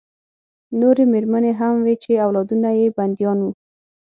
نورې مېرمنې هم وې چې اولادونه یې بندیان وو